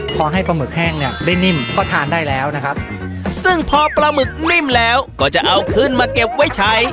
พอให้ปลาหมึกแห้งเนี่ยได้นิ่มก็ทานได้แล้วนะครับซึ่งพอปลาหมึกนิ่มแล้วก็จะเอาขึ้นมาเก็บไว้ใช้